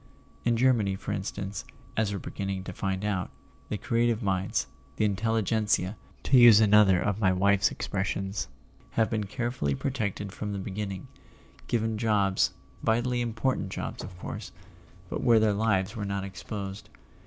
In Germany, for instance, as we're beginning to find out, the creative minds, the Intel¬ ligentsia (to use another of my wife's expressions), have been carefully protected from the beginning, given jobs, vitally important jobs of course, but where their lives were not exposed.